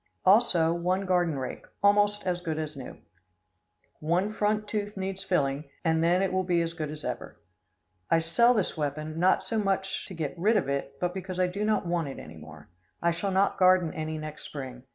Also one garden rake, almost as good as new. One front tooth needs filling, and then it will be as good as ever. I sell this weapon, not so much to get rid of it, but because I do not want it any more. I shall not garden any next spring.